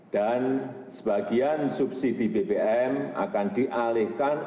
dan sebagian subsidi bbm akan dialihkan